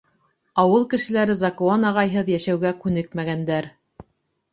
Ауыл кешеләре Закуан ағайһыҙ йәшәүгә күнекмәгәндәр.